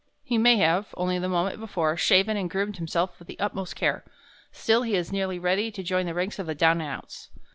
"He may have, only the moment before, shaven and groomed himself with the utmost care, still he is nearly ready to join the ranks of the down and outs.